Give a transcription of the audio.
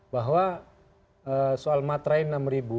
bahwa soal matrain enam ribu